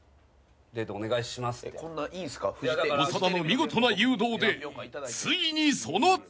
［長田の見事な誘導でついにその時が］